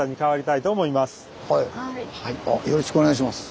はいあっよろしくお願いします。